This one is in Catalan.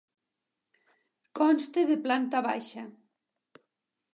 Consta de planta baixa.